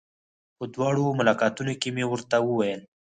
په دواړو ملاقاتونو کې مې ورته وويل.